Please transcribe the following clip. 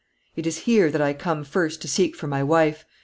It is here that I come first to seek for my wife.